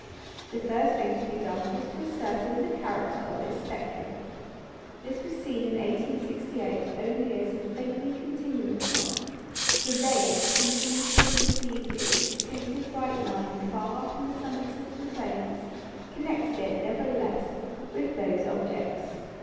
The first thing to be done was to ascertain the character of its spectrum. This was seen in 1868 only as a faintly continuous one; for Rayet, who seems to have perceived its distinctive bright line far above the summits of the flames, connected it, nevertheless, with those objects.